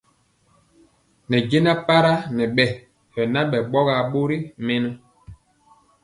Ne jɛna para nɛ bɛ nabɛ bɔgar bori mɛnɔ.